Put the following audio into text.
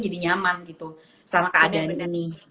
jadi nyaman gitu sama keadaan ini